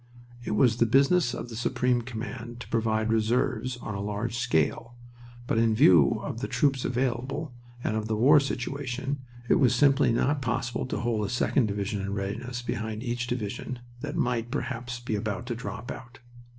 It was the business of the Supreme Command to provide reserves on a large scale. But in view of the troops available, and of the war situation, it was simply not possible to hold a second division in readiness behind each division that might, perhaps, be about to drop out.